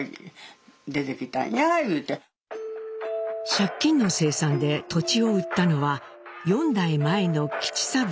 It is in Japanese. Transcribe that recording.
借金の清算で土地を売ったのは４代前の三郎。